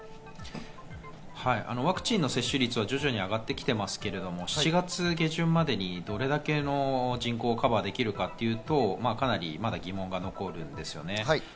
ワクチンの接種率は徐々に上がってきていますけど、７月下旬までにどれだけの人口をカバーできるかというと、かなりまだ疑問が残ります。